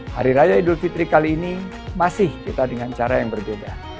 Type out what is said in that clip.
hari raya idul fitri kali ini masih kita dengan cara yang berbeda